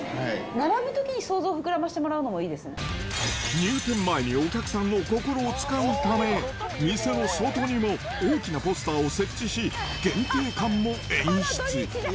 並ぶときに想像膨らませても入店前にお客さんの心をつかむため、店の外にも、大きなポスターを設置し、限定感も演出。